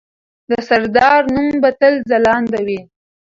د سردار نوم به تل ځلانده وي.